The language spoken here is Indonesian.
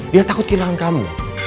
dia takut kehilangan kamu